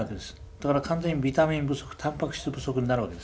だから完全にビタミン不足たんぱく質不足になるわけですね。